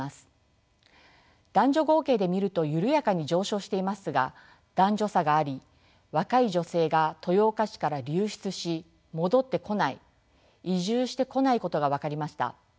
男女合計で見ると緩やかに上昇していますが男女差があり若い女性が豊岡市か流出し戻ってこない移住してこないことが分かりました。